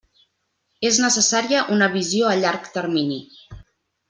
És necessària una visió a llarg termini.